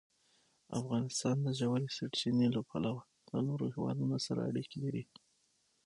افغانستان د ژورې سرچینې له پلوه له نورو هېوادونو سره اړیکې لري.